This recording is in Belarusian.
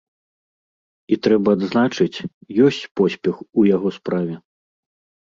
І трэба адзначыць, ёсць поспех у яго справе.